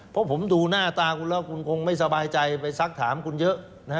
เพราะผมดูหน้าตาคุณแล้วคุณคงไม่สบายใจไปซักถามคุณเยอะ